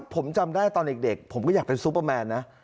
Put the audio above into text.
ผมจำได้ตอนเด็กผมก็อยากเป็นซูเปอร์แมนนะ